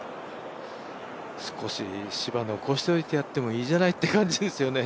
少し、芝残してやってもいいじゃないって感じですよね。